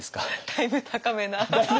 だいぶ高めな。